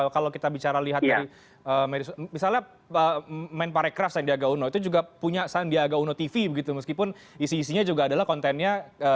kalau kita bicara lihat dari misalnya men parekraf sandiaga uno itu juga punya sandiaga uno tv begitu meskipun isi isinya juga adalah kontennya